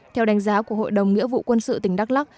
theo đánh giá của hội đồng nghĩa vụ quân sự tỉnh đắk lắc